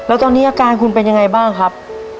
แล้วตอนนี้อาการคุณเป็นยังไงบ้างครับ